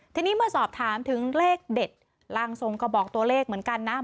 ทีนี้เมื่อสอบถามถึงเลขเด็ดร่างทรงก็บอกตัวเลขเหมือนกันนะ